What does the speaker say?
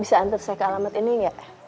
bisa anter saya ke alamat ini gak